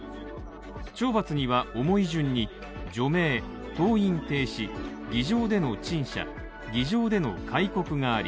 懲罰には重い順に、除名、登院停止、議場での陳謝、議場での戒告があり